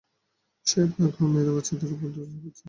সে আপনাকেও মেরে বাচ্চাদের উপর দোষ চাপাবে।